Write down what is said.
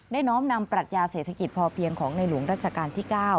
น้อมนำปรัชญาเศรษฐกิจพอเพียงของในหลวงรัชกาลที่๙